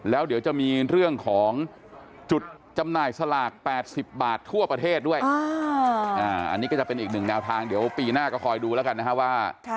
แล้วเดี๋ยวจะมีเรื่องของจุดจำหน่ายสลาก๘๐บาททั่วประเทศด้วยอันนี้ก็จะเป็นอีกหนึ่งแนวทางเดี๋ยวปีหน้าก็คอยดูแล้วกันนะฮะว่า